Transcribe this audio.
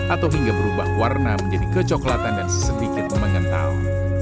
atau hingga berubah warna menjadi kecoklatan dan sedikit mengental